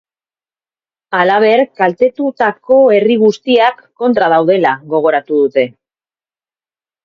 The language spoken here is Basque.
Halaber, kaltetutako herri guztiak kontra daudela gogoratu dute.